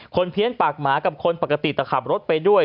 เพี้ยนปากหมากับคนปกติแต่ขับรถไปด้วย